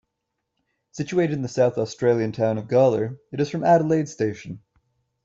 Situated in the South Australian town of Gawler, it is from Adelaide station.